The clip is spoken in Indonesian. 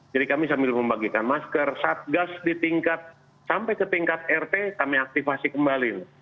jadi kami sambil membagikan masker saat gas di tingkat sampai ke tingkat rt kami aktifasi kembali